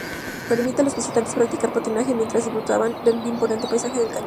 Permite a los visitantes practicar patinaje mientras disfrutan del imponente paisaje del cañón.